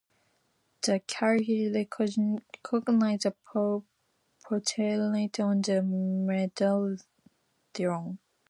The Caliph recognizes the portrait on the medallion.